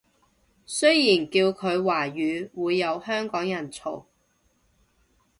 雖然叫佢華語會有香港人嘈